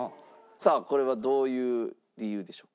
さあこれはどういう理由でしょう？